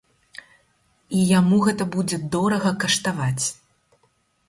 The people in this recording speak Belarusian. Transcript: І яму гэта будзе дорага каштаваць.